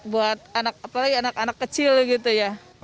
buat anak apalagi anak anak kecil gitu ya